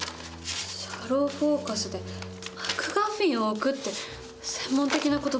「シャローフォーカスでマクガフィンを置く」って専門的な事ばかり。